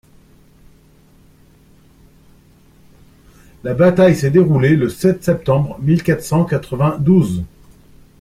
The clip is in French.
La bataille s’est déroulée le sept septembre mille quatre cent quatre-vingt-douze.